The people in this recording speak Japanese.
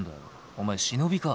お前忍びか？